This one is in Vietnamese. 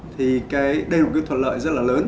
thì cái đây là một cái thuật lợi rất là lớn